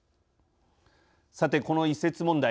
さてこの移設問題